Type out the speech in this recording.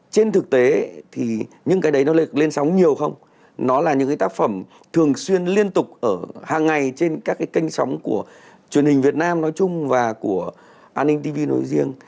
trên thực tế thì những cái đấy nó lên sóng nhiều không nó là những cái tác phẩm thường xuyên liên tục hàng ngày trên các cái kênh sóng của truyền hình việt nam nói chung và của an ninh tv nói riêng